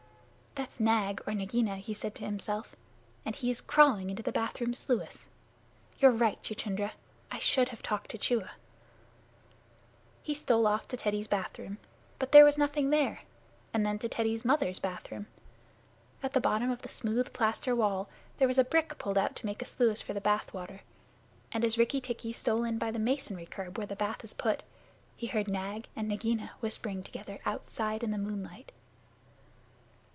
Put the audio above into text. "That's Nag or Nagaina," he said to himself, "and he is crawling into the bath room sluice. You're right, Chuchundra; I should have talked to Chua." He stole off to Teddy's bath room, but there was nothing there, and then to Teddy's mother's bathroom. At the bottom of the smooth plaster wall there was a brick pulled out to make a sluice for the bath water, and as Rikki tikki stole in by the masonry curb where the bath is put, he heard Nag and Nagaina whispering together outside in the moonlight.